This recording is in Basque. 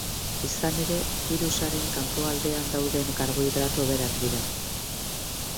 Izan ere, birusaren kanpoaldean dauden karbohidrato berak dira.